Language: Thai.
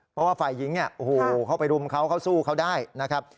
เพราะว่าฝ่ายหญิงเข้าไปรุมเขาเข้าสู้เขาได้นะครับ